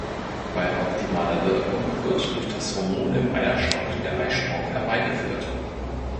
Bei optimaler Wirkung wird durch das Hormon im Eierstock der Eisprung herbeigeführt.